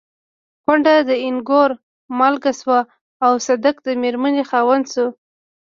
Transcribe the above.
کونډه د اينګور مالکه شوه او صدک د مېرمنې خاوند شو.